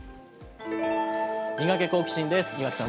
ミガケ、好奇心！です。